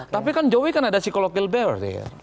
tapi kan jokowi kan ada psikologil bear